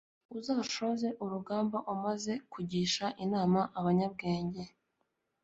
uzashoze urugamba umaze kugisha inama abanyabwenge